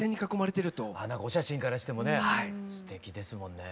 お写真からしてもねすてきですもんね。